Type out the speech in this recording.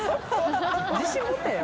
自信持てよ。